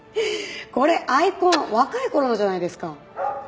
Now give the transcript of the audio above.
これアイコン若い頃のじゃないですか。